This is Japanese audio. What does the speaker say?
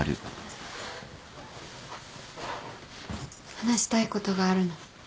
話したいことがあるの。